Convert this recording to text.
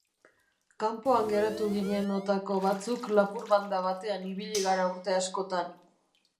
Kanpoan geratu ginenotako batzuk lapur banda batean ibili gara urte askotan.